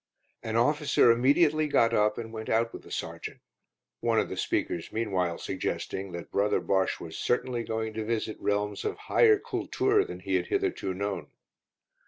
An officer immediately got up and went out with the sergeant, one of the speakers meanwhile suggesting that Brother Bosche was certainly going to visit realms of higher kultur than he had hitherto known.